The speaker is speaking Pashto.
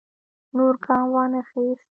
نور ګام وانه خیست.